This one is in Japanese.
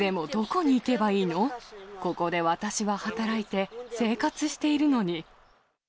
ここで私は働いて生活しているのに。